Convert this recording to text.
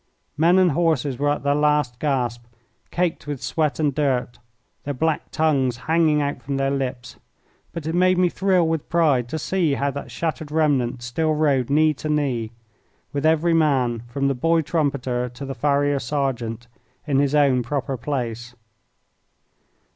Men and horses were at their last gasp, caked with sweat and dirt, their black tongues hanging out from their lips; but it made me thrill with pride to see how that shattered remnant still rode knee to knee, with every man, from the boy trumpeter to the farrier sergeant, in his own proper place.